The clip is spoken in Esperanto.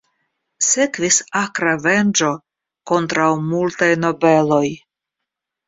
Sekvis akra venĝo kontraŭ multaj nobeloj.